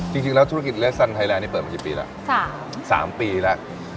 จริงแล้วธุรกิจเลสสันไทยแลนด์เปิดมากี่ปีแล้ว๓ปีแล้ว